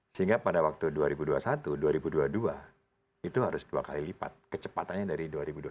sehingga pada waktu dua ribu dua puluh satu dua ribu dua puluh dua itu harus dua kali lipat kecepatannya dari dua ribu dua puluh satu